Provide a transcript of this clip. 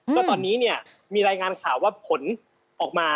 ก็ตอนนี้เนี่ยมีรายงานข่าวว่าผลออกมา